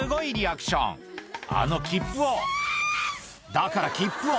「だから切符を」